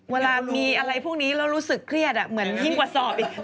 เวลามีอะไรพวกนี้แล้วรู้สึกเครียดเหมือนยิ่งกว่าสอบอีก